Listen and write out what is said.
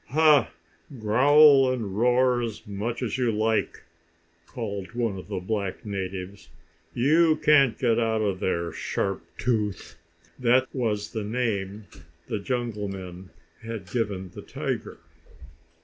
"Ha! Growl and roar as much as you like!" called one of the black natives. "You can't get out of there, Sharp Tooth!" That was the name the jungle men had given the tiger.